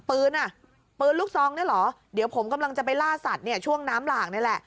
ปืนลูกซองนี่เหรอเดี๋ยวผมกำลังจะไปล่าสัตว์ช่วงน้ำหล่างนี่แหละ